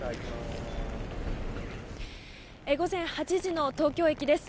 午前８時の東京駅です。